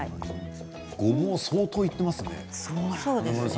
ごぼうは相当いっていますね。